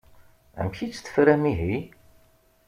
Amek i tt-tefram ihi?